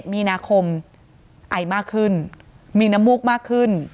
๒๐๒๑มีนาคมไอมากขึ้นมีนมูกมากขึ้น